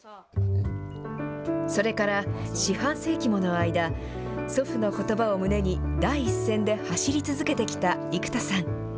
それから四半世紀もの間、祖父のことばを胸に、第一線で走り続けてきた生田さん。